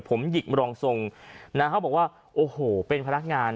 ผมหยิกรองทรงนะฮะเขาบอกว่าโอ้โหเป็นพนักงาน